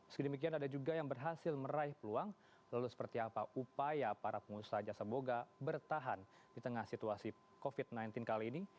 sedemikian ada juga yang berhasil meraih peluang lalu seperti apa upaya para pengusaha jasa boga bertahan di tengah situasi covid sembilan belas kali ini